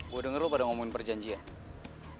gue denger lo pada ngomongin perjanjian nih